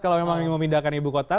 kalau memang ingin memindahkan ibu kota